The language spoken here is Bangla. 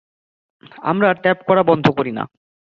আমরা ট্যাপ করা বন্ধ করি না।